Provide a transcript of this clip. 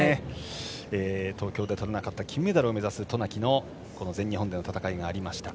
東京でとれなかった金メダルを目指す渡名喜の全日本での戦いがありました。